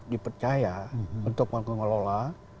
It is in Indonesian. dipercaya untuk mengelola